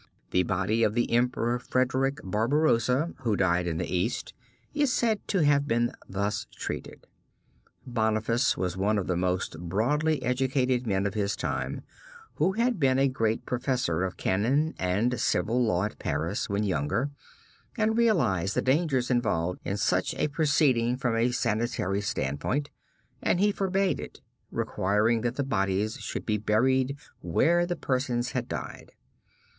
The body of the Emperor Frederick Barbarosa, who died in the East, is said to have been thus treated. Boniface was one of the most broadly educated men of his time, who had been a great professor of canon and civil law at Paris when younger, and realized the dangers involved in such a proceeding from a sanitary standpoint, and he forbade it, requiring that the bodies should be buried where the persons had died.